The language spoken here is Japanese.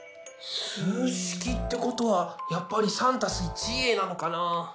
数式ってことはやっぱり３＋１Ａなのかな？